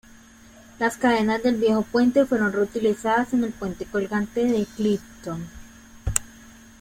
Las cadenas del viejo puente fueron reutilizadas en el Puente colgante de Clifton.